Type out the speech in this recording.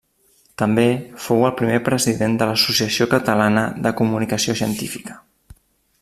També fou el primer president de l'Associació Catalana de Comunicació Científica.